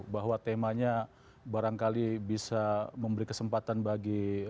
bahwa temanya barangkali bisa memberi kesempatan bagi